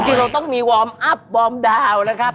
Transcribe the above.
จริงเราต้องมีวอร์มอัพวอร์มดาวน์นะครับ